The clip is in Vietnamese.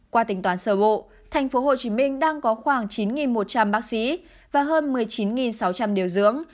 qua tính toán sơ bộ tp hcm đang có khoảng chín một trăm linh bác sĩ và hơn một mươi chín sáu trăm linh điều dưỡng